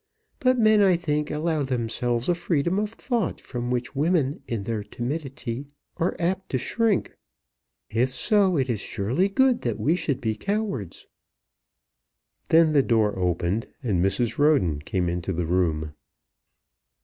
But men I think allow themselves a freedom of thought from which women in their timidity are apt to shrink. If so it is surely good that we should be cowards?" Then the door opened, and Mrs. Roden came into the room.